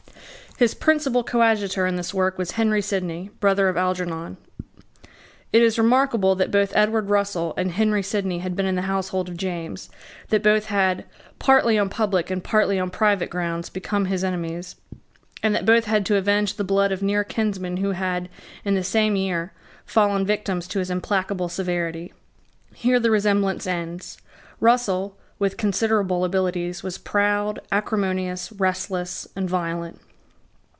His principal coadjutor in this work was Henry Sidney, brother of Algernon. It is remarkable that both Edward Russell and Henry Sidney had been in the household of James, that both had, partly on public and partly on private grounds, become his enemies, and that both had to avenge the blood of near kinsmen who had, in the same year, fallen victims to his implacable severity. Here the resemblance ends. Russell, with considerable abilities, was proud, acrimonious, restless, and violent.